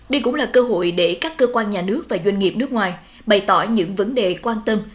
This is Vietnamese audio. đây cũng là cơ hội để các cơ quan nhà nước và doanh nghiệp nước ngoài bày tỏ những vấn đề quan tâm